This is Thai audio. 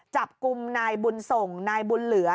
จับกลุ่มนายบุญส่งนายบุญเหลือ